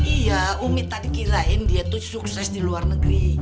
iya umi tadi kirain dia tuh sukses di luar negeri